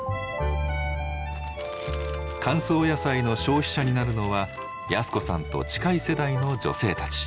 乾燥野菜の消費者になるのは靖子さんと近い世代の女性たち。